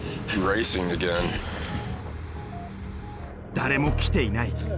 誰も来ていない。